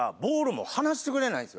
もう離してくれないんですよ。